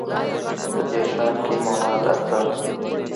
په دغه ښار کې مواد ارزانه دي.